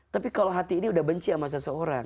tapi kalau hati ini udah benci sama seseorang